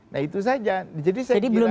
nah itu saja jadi saya kira jadi belum